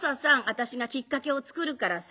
私がきっかけを作るからさ